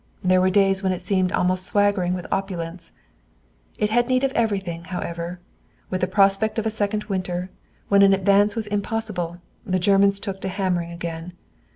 There were days when it seemed almost swaggering with opulence. It had need of everything, however. With the prospect of a second winter, when an advance was impossible, the Germans took to hammering again.